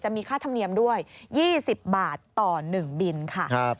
มีค่าธรรมเนียมด้วย๒๐บาทต่อ๑บินค่ะ